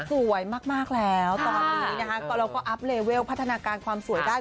ผู้หญิงสวยมากแล้วเราก็จะอัพเลเวลภาษณาการสวยได้